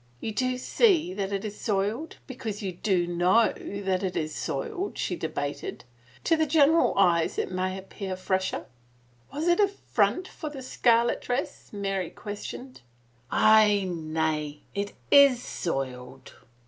" You do see that it is soiled because you do know that it is soiled," she debated. " To the general eyes it may appear fresher." 80 CALUMNY " Was it a front for the scarlet dress ?" Mary ques tioned. " Aye ... nay, it is soiled."